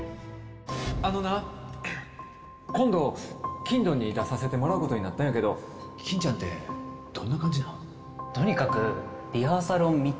あのな今度『欽ドン！』に出させてもらうことになったんやけど欽ちゃんってどんな感じなん？